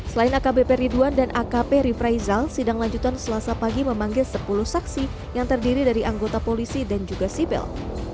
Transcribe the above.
selain akbp ridwan dan akp rifraizal sidang lanjutan selasa pagi memanggil sepuluh saksi yang terdiri dari anggota polisi dan juga sipil